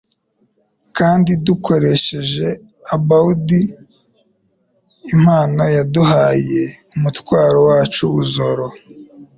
kandi tugakoreshereza abaudi impano yaduhaye. umutwaro wacu uzoroha.